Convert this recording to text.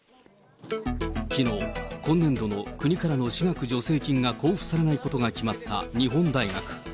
きのう、今年度の国からの私学助成金が交付されないことが決まった日本大学。